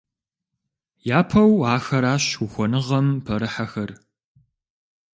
Япэу ахэращ ухуэныгъэм пэрыхьэхэр.